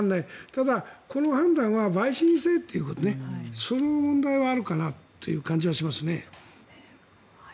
ただ、この判断は陪審制ということでその問題はあるかなという感じはしますね。